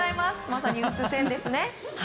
まさに打つ線ですね。